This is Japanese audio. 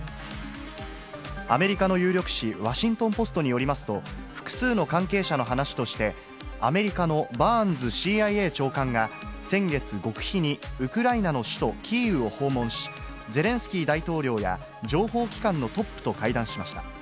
アメリカの有力紙、ワシントンポストによりますと、複数の関係者の話として、アメリカのバーンズＣＩＡ長官が、先月、極秘にウクライナの首都キーウを訪問し、ゼレンスキー大統領や情報機関のトップと会談しました。